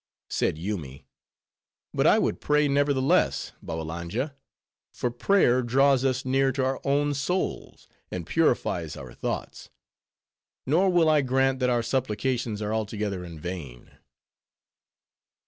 Said Yoomy, "But I would pray, nevertheless, Babbalanja; for prayer draws us near to our own souls, and purifies our thoughts. Nor will I grant that our supplications are altogether in vain."